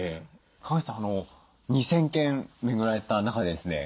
川口さん２，０００軒巡られた中でですね